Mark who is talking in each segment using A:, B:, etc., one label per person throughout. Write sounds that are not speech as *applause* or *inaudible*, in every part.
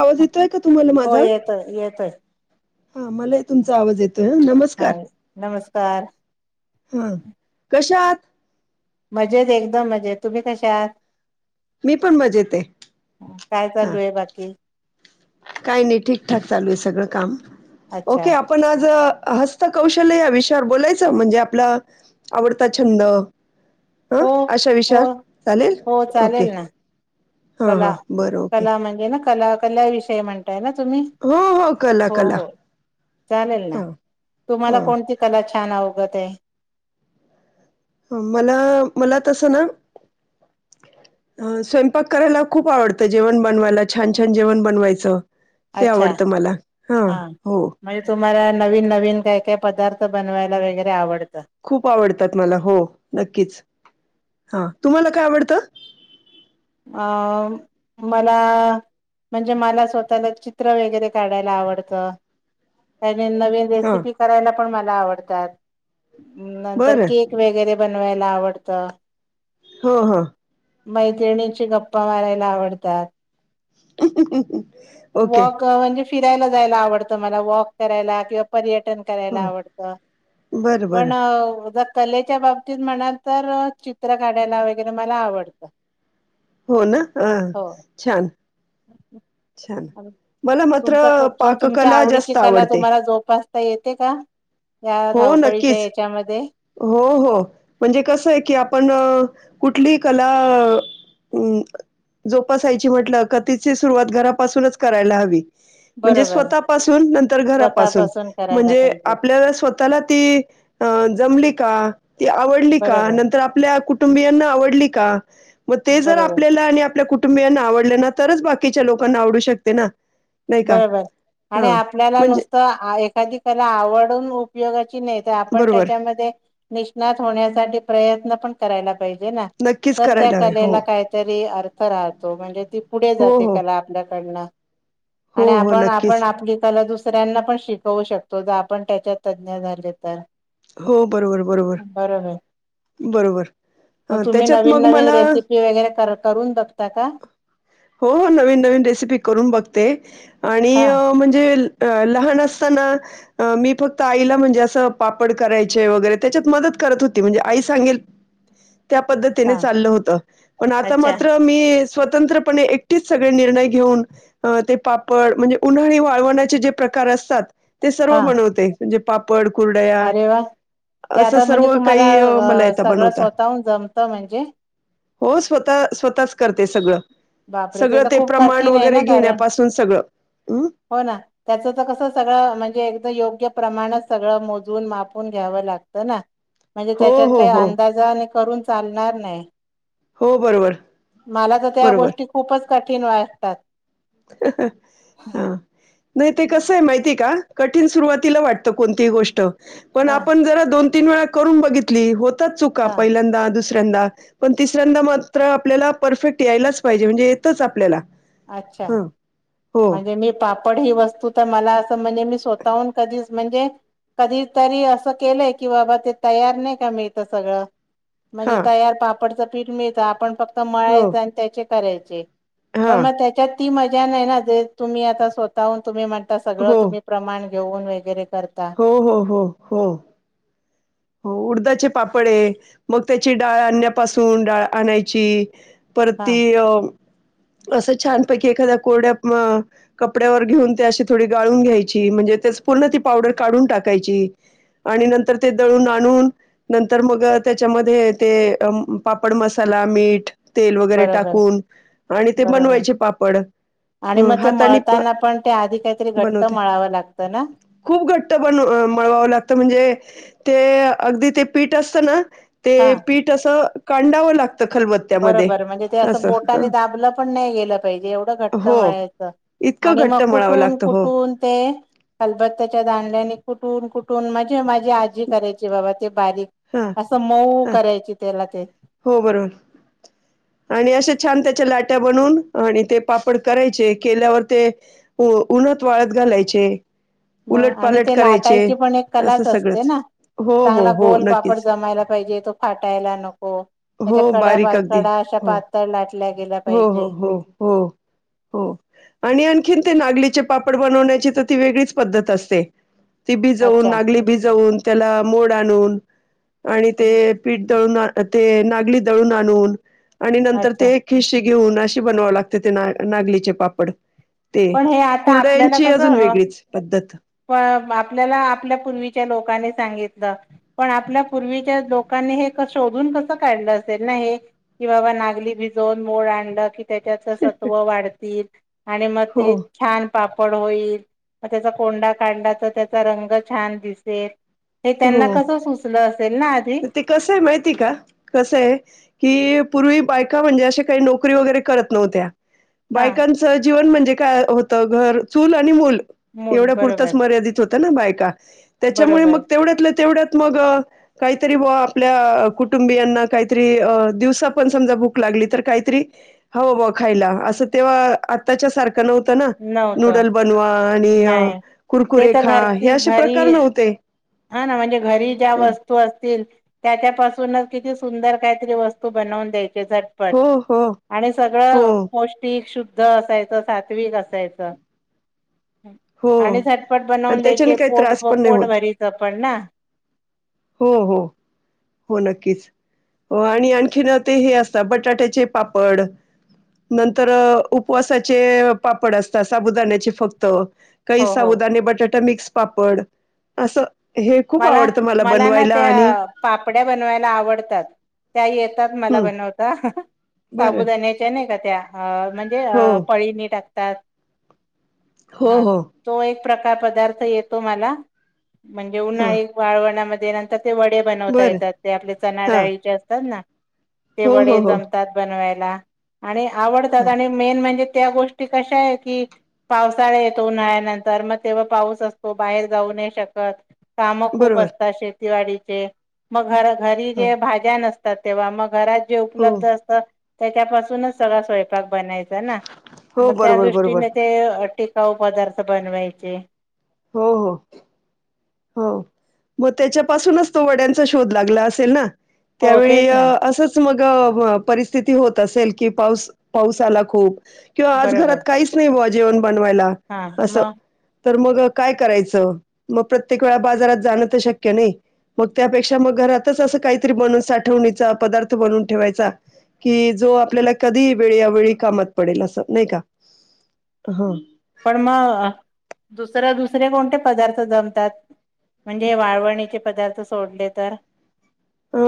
A: आवाज येतोय का, तुम्हाला
B: हो
A: माझा
B: येतोय येतोय
A: हा मला तुमचा आवाज येतोय ह
B: हा
A: नमस्कार
B: नमस्कार
A: हा कशात?
B: मजेत एकदम मजेत तुम्ही कश आहात?
A: मी पण मजेत आहे.
B: काय
A: हा
B: चालू आहे बाकी!
A: काही नाही ठीकठाक चालू आहे सगळं काम
B: अच्छा
A: ओके आप आपण आज हस्तकौशल्य या विषयावर बोलायचं म्हणजे आपला आवडता छंद, ह
B: हो
A: अशा
B: हो
A: विषयावर चालेल
B: हो
A: ओके.
B: चालेल ना
A: हां हां
B: कला
A: बरं ओके.
B: कला म्हणजे ना कला कला विषय म्हणत
A: हो कला
B: *unintelligible* हो
A: कला
B: हो चालेल ना
A: हां
B: तुम्हाला
A: हां
B: कोणती कला छान होगतेे.
A: मला मला तसं ना! स्वयंपाक करायला खूप आवडतं जेवण बनवायला छान छान जेवण बनवायचं. ते
B: अच्छा
A: आवडतं मला
B: हां!
A: हो
B: म्हणजे तुम्हाला नवीन नवीन काय काय पदार्थ बनवायला वगैरे आवडतं.
A: खूप आवडतात मला हो नक्कीच, हा तुम्हाला काय आवडतं?
B: अ मला, म्हणजे,
A: हा
B: रेसिपी करायला पण मला आवडतात, नंतर
A: बरं
B: केक वगैरे बनवायला आवडतं.
A: हो, हो.
B: मैत्रिणीचे गप्पा मारायला आवडतात.
A: *inaudible*
B: वॉक म्हणजे फिरायला जायला आवडतं मला, वॉक करायला किंवा पर्यटन करायला
A: हो
B: आवड
A: बरं बरं
B: पण, कलेच्या बाबतीत म्हणाल तर चित्र काढायला वगैरे मला आवडतं.
A: हो ना अ
B: हो
A: छान! छान मला मात्र
B: तुमचा तुमच्या
A: पाककला
B: आवडीची
A: जास्त
B: कला
A: आवडते
B: तुम्हाला जोपासता येते का या
A: हो
B: धावपळीच्या
A: नक्कीच
B: याच्यामध्ये
A: हो हो म्हणजे कसं आहे की आपण कुठली कला हम् जोपासायची म्हटलं कथीची सुरुवात घरापासूनच करायला हवी म्हणजे
B: बरोबर
A: स्वतःपासून नंतर घरापासून
B: स्वतःपासून करायला
A: म्हणजे
B: पाहिजे.
A: आपल्याला ला ती जमली काी आवडली का
B: बरोबर
A: नंतर आपल्या कु कबिना आव का
B: बरोबर
A: आपल्या कु कुटुंबियांना आवडल्या ना तरच बाकीच्या लोकांना आवडू शकते ना नाही का?
B: बरोबर आणि
A: हां,
B: आपल्याला
A: म्हणजे
B: नुसतं एखादी कला आवडून उपयोगाची नेत आपण
A: बरोबर.
B: त्याच्यामध्ये निष्णात होण्यासाठी प्रयत्न पण करायला पाहिजे ना
A: नक्कीच
B: तर त्या
A: करायला हवे. हो.
B: कलेला काहीतरी अर्थ राहतो म्हणजे ती पुढे
A: हो,
B: जाते
A: हो.
B: कला आपल्याकडनं
A: हो,
B: आणि
A: हो.
B: आपण आपण
A: नक्कीच.
B: आपली कला दुस दुसऱ्यांना पण शिकवू शकतो ज आपण त्याच्यात तज्ञ झाले तर
A: हो बरोबर बरोबर
B: बरोबर
A: बरोबर
B: मग तुम्ही
A: त्याच्यात
B: नवीन
A: मग
B: नवीन
A: मला
B: रेसिपी वगैरे कर करून बघता का
A: हो हो नवीन नवीन रेसिपी करून बघते आणि
B: हा
A: म्हणजे अ लहान असताना मी फक्त आईला म्हणजे असं पा ड करायचे वगैरे त्याच्यात मदत करत होती म्हणजे आई सांगेल त्या पद्धतीने
B: हा
A: चाललं होत पण आता
B: अच्छा
A: मात्र मी स्वतंत्रपणे एकटीच सगळे निर्णय घेऊन अ ते पापड म्हणजे उन्हाळी वाळवण्याचे जे प्रकार असतात ते सर्व
B: हा
A: बनवते म्हणजे पापड कुर्डया
B: अरे वा ते आता म्हणजे तुम्हाला
A: अ, मला येतं
B: सगळं
A: बनवता.
B: स्वतःहून जमत म्हणजे
A: हो स्वतः स्वतःच करते सगळं
B: बापरे
A: सगळं
B: तर
A: ते
B: खूप
A: प्रमाण
B: कठीण आहे
A: वगैरे
B: ना कारण
A: घेण्यापासून सगळं.
B: हो ना त्याच तर कसं सगळं म्हणजे एक योग्य प्रमाणात सगळं मोजून मापून घ्यावं लागतं ना म्हणजे
A: हो,
B: त्याच्यात
A: हो,
B: काही
A: हो.
B: अंदाज आणि करून चालणार नाही.
A: हो, बरोबर,
B: मला तर त्या
A: बरोबर.
B: गोष्टी खूपच कठीण वाटतात.
A: हा नाही ते कसं आहे माहितीय का? कठीण सुरुवातीला वाटत कोणती गोष्ट पण
B: हा
A: आपण जरा दोन तीन वेळा करून बघितली होता चुका
B: हा
A: पहिल्यांदा दुस यंदा पण तिसऱ्यांदा मात्र आपल्याला परफेक्ट यायलाच पाहिजे म्हणजे येतच आपल्याला.
B: अच्छा
A: हं, हो,
B: म्हणजे मी पाप ड ही वस्तू तर मला असं म्हणजे मी स्वतःहून कधीच म्हणजे कधी तरी असं केलंय की बाबा ते तयार नाही का मिळत सगळं. म्हणजे
A: हां,
B: तयार पापडचं पीठ मिळत आपण फक्त
A: हो,
B: मळायचं आणि त्याचे करायचे. पण
A: हां,
B: मग त्याच्यात ती मजा नाही ना जे तुम्ही आता स्वतःहून तुम्ही म्हणता सगळं
A: हो,
B: तुम्ही प्रमाण घेऊन वगैरे करतात.
A: हो हो हो हो हो उडदाचे पापड आहे मग त्याची डाळ आणण्यापासून डाळ आणायची
B: हा
A: परती अ असं छानपैकी एखाद्या कोरड्या अ कपड्यावर घेऊन ते अशी थोडी गाळून घ्यायची म्हणजे त्या पूर्ण ती पावडर काढून टाकायची आणि नंतर ते दळून आणून नंतर मग त्याच्यामध्ये ते पापड मसाला मीठ तेल वगैरे
B: बरोबर
A: टाकून आणि ते
B: बरोबर
A: बनवायचे पापड.
B: आणि
A: हं,
B: मग ते
A: हातानी प
B: मळताना पण ते आधी काहीतरी घट्ट
A: बनवते.
B: मळावं लागतं ना?
A: खूप घट्ट बन मळवावं लागतं म्हणजे ते अगदी ते पीठ असतं ना
B: हा
A: ते पीठ असं कांडावं लागतं खलबत्यात
B: बरोबरं म्हणजे ते असं बोटाने दाबलं पण नाही गेलं पाहिजे एवढं घट्ट
A: हो
B: मळायचं.
A: इतकं
B: आणि
A: घट्ट
B: मग
A: मळावं
B: कुठून
A: लागतं हो.
B: कुठून ते खालबत्ताच्या दांड्याने कुठून कुठून म्हणजे माझी आजी करायची बाबा ते बारीक.
A: हा.
B: असं मऊ
A: हा
B: करायची त्याला ते.
A: हो बरोबर. आणि अशे छान त्याच्या लाट्या बनवून आणि ते पापड करायचे केल्यावर ते उन्हात वाळात घालायचे.
B: मग
A: उलट
B: आणि
A: पालट
B: ते
A: करायचे
B: लाटायची पण एक
A: असं
B: कलाच असते
A: सगळंच
B: ना.
A: हो हो
B: चांगला
A: हो
B: गोलपापड
A: नक्कीच
B: जमायला पाहिजे तो फाटायला नको. त्याच्या
A: हो बारीक
B: कड्या
A: अगदी
B: कडा अशा
A: हो
B: पातळ लाटल्या गेला
A: हो
B: पाहिजे.
A: हो हो हो. हो आणि आणखीन ते नागलीचे पापड बनवण्याची तर ती वेगळीच पद्धत असते. ती भिजवून
B: अच्छा.
A: नागली भिजवून त्याला मोड आणून आणि ते पीठ दळून ते नागली दळून आणून आणि नंतर
B: अच्छा
A: ते खिशी घेऊन अशी बनवाव लागते ते ना नागलीचे पापड ते
B: पण हे आता
A: कुर्ड्यांची अजून वेगळीच पद्धत.
B: प आपल्याला आपल्या पूर्वीच्या लोकांनी सांगितलं. पण आपल्या पूर्वीच्या लोकांनी हे शोधून कसं काढलं असेल ना हे. कि बाबा नागली भिजून मोड आणलं कि त्याच्याच सत्व वाढतील आणि मग
A: हो
B: ते छान पापड होईल मग त्याचा कोंडा काढला त्याचा रंग छान दिसेल. हे त्यांना
A: हो
B: कसं सुचलं असेल ना आधी?
A: ते कसं आहे माहिती का कसं आहे. कि पूर्वी बायका म्हणजे आश्या काही नोकरी वगैरे करत नव्हत्या.
B: हा
A: बायकांचं जीवन म्हणजे काय होतं घर चूल आणि मूल
B: मूल
A: एवढ्या
B: बरोबर
A: पुुरताच मर्यादित होत ना बायका त्याच्यामुळे
B: बरोबर
A: मग तेवढ्यात तेवढ्यात मग काहीतरी व आपल्या कुटुंबियांना काहीतरी दिवसा पण समजा भूक लागली तर काहीतरी हो खायला असं तेव्हा आत्ताच्या सारखं नव्हतं ना
B: नव्हतं
A: नूडल बनवा. आणि
B: नाही ते तर
A: कुरकुरेखा हे
B: घरची
A: असे
B: घरी
A: प्रकार नव्हते.
B: हा ना म्हणजे घरी ज्या वस्तू असतील त्याच्यापासूनच किती सुंदर काहीतरी वस्तू बनवून द्यायचे पट
A: हो हो
B: आणि
A: हो
B: सगळं पौष्टिक शुद्ध असायचं सात्विक असायचं.
A: हो
B: आणि झटपट
A: आणि
B: बनवून
A: त्याच्याने
B: द्यायचे
A: काही
B: पोट
A: त्रास पण नाही
B: पोट
A: होत
B: भरीच पण ना.
A: हो हो. हो नक्कीच हो आणि आणखीन ते हे असत बटाट्याचे पापड. नंतर उपवासाचे पापड असतात साबुदाण्या्याचे फक्त. काही
B: हो हो
A: साबुदाणे बटाटा मिक्स पापड असं हे खूप आवडतं मला बनवायला आणि
B: पापड्या बनवायला आवडतात त्या येतात मला
A: हं,
B: बनवता.
A: बरं.
B: साबुदाान्याच्या नाही का त्या म्हणजे
A: हो,
B: पळीनी टाकतात.
A: हो,
B: हा
A: हो.
B: तो एक प्रकार पदार्थ येतो मला, म्हणजे घेऊन
A: हां,
B: आहे वाळवणामध्ये नंतर ते वडे बनवता
A: बरं.
B: येतात ते आपले चणा
A: हां.
B: डाळीचे असतात ना. ते
A: हो, हो,
B: वडे
A: हो.
B: जमतात बनवायला आणि आवडतात
A: हां,
B: आणि मेन म्हणजे त्या गोष्टी कशा आहे की पावसाळा येतो उन्हाळ्यानंतर मग तेव्हा पाऊस असतो बाहेर जाऊ नाही शकत. काम खूप
A: बरोबर.
B: असतात शेतीवाडीचे मग घर घरी
A: हो,
B: जे भाज्या नसत तेव्हा मग घरात जे
A: हो,
B: उपलब्ध असत त्याच्यापासूनच सगळा स्वयंपाक बनायच. च ना,
A: हो.
B: मग त्या
A: बरोबर, बरोबर.
B: दृष्टीने ते टिकाऊ पदार्थ बनवायचे.
A: हो हो. हो मग त्याच्यापासूनच तो वड्यांचा शोध लागला असेल ना.
B: हो
A: त्यावेळी
B: तेच ना
A: असंच मग परिस्थिती होत असेल की पाऊस पाऊस आला खूप किंवा आज
B: बरोबर
A: घरात काही नाही भा जेवण बनवायला
B: हा
A: असं
B: मग
A: तर मग काय करायचं? मग प्रत्येक वेळा बाजारात जाणं तर शक्य नाही मग त्यापेक्षा मग घरातच असं काहीतरी बनून साठवणीचा पदार्थ बनवून ठेवायचा. कि जो आपल्याला कधी वेळ अवेळी कामात पडेल असं नाही का, हो
B: पण म दुसऱ्या दुसऱ्या कोणत्या पदार्थ जमतात? म्हणजे हे वाळवणीचे पदार्थ सोडले तर
A: अ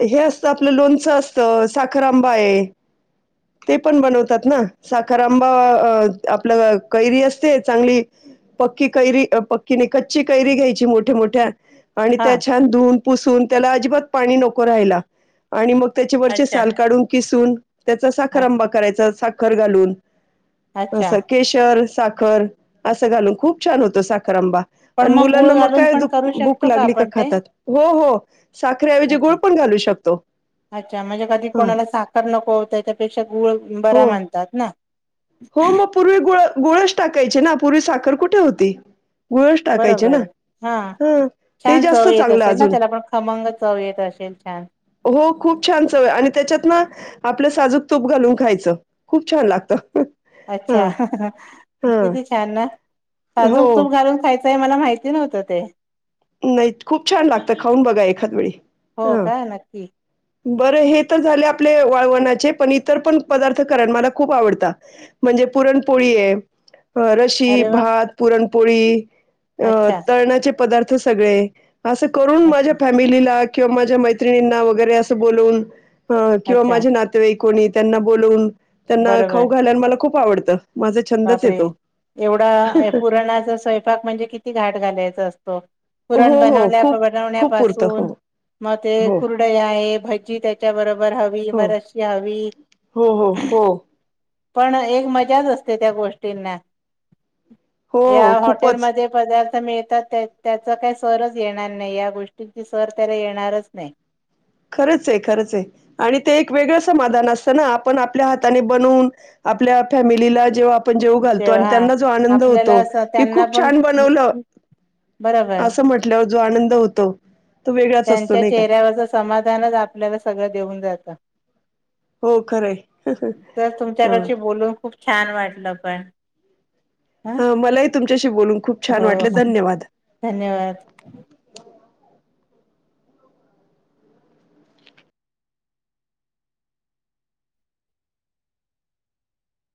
A: हे असतं आपलं लोणचं असतं साखर आंबा आहे ते पण बनवतात ना साखर आंबा आपलं कैरी असते चांगली पक्की कैरी पक्कीने कच्ची कैरी घ्यायची मोठ्या, मोठ्या आणि
B: हा
A: त्या छान धुऊन पुसून त्याला अजिबात पाणी नको रायला आणि मग त्याच्यावररचे
B: अच्छा
A: साल काढून किसून त्याचा साखर आंबा करायचा साखर घालून तंस
B: अच्छा
A: केशर, साखर असं घालून खूप छान होतो साखरांंबा
B: पण
A: आणि
B: गुळ
A: मुलांना मग
B: घालून
A: काय
B: पण करू
A: भूक
B: शकतो
A: लागली का
B: आपण ते
A: खातात हो, हो साखरऐजी गुळ
B: अच्छा
A: पण घालू शकतो
B: अच्छा म्हणजे कधी
A: हा
B: कोणाला साखर नको होता याच्यापेक्षा गुळ बरा
A: हो
B: म्हणतात ना
A: हो मग पूर्वी गुळ गुळच टाकायचे ना पूर्वी साखर कुठे होती. गुळच टाकायचे ना
B: बरोबर हा!
A: ते
B: छान
A: जास्त
B: चव येत
A: चांगलं
B: असेल ना
A: अजून
B: त्याला पण, खमंग चव येत असेल छान!
A: हो खूप छान चवय आणि त्याच्यात ना आपलं साजूक तूप घालून खायचं खूप छान लागतं ह
B: अच्छा
A: ह
B: किती छान ना
A: हो
B: साजूक तूप घालून खायचं मला माहिती नव्हतं ते
A: नाही खूप छान! लागत खाऊन बघा एखाद वेळी
B: हो
A: हा
B: का नक्की
A: बरं हे तर झाले आपले वळवणाचे पण इतर पण पदार्थ करा मला खूप आवडता म्हणजे पुरणपोळी आहे अ, रशी
B: अरे वा
A: भात पुरणपोळी अ
B: अच्छा
A: तरळणाचे पदार्थ सगळे असं करून माझ्या
B: अच्छा
A: फॅमिलीला किंवा माझ्या मैत्रिणींना वगैरे असं बोलवून ह किंवा
B: अच्छा
A: माझे नातेवाई कोणी त्यांना बोलवून त्यांना
B: बरोबर
A: खाऊ घालायन मला खूप आवडत.
B: बापरे! एवढा पुराणाचा स्वयंपाक म्हणजे किती घाट घालायच असतो. पुरण
A: हो, हो
B: बनवल्या
A: खूप खूप पुरतं हो,
B: बनवण्यापासून मग ते
A: हो,
B: कुर ड आहे भजी त्याच्या बरोबर हवी
A: हो,
B: मरशी हवी
A: हो हो हो
B: पण एक मजाच असते त्या गोष्टींना
A: हो
B: या
A: खूपच
B: हॉटेलमध्ये पदार्थ मिळतात त्याचा काही सरच येणार नाही या गोष्टींची सर त्याला येणारच नाही!
A: खरंच आहे खरंच आहे आणि ते एक वेगळं समाधान असतं ना आपण आपल्या हाताने बनवून आपल्या फॅमिलीला जेवा आपण जेऊ घालतो आणि
B: तेव्हा
A: त्यांना जो आनंद
B: आपल्याला
A: होतो
B: असं
A: की
B: त्यांना
A: खूप
B: पण
A: छान बनवलं
B: बरोबर.
A: असं म्हटल्यावर जो आनंद होतो तो वेगळाच असतो
B: त्यांच्या
A: नाही का
B: चेहऱ्यावरचं समाधानच आपल्याला सगळं देऊन जातं
A: हो खरंय
B: तर
A: हा
B: तुमच्याकडशी बोलून खूप छान वाटलं पण! ह
A: हा मलाही तुमच्याशी बोलून खूप छान
B: हो
A: वाटले धन्यवाद!
B: धन्यवाद!